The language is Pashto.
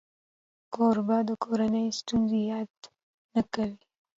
کوربه د کورنۍ ستونزو یاد نه کوي.